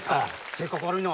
性格悪いな。